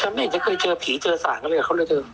ฉันไม่เห็นจะเคยเจอผีเจอสารกันเลยเขาเลยเจอ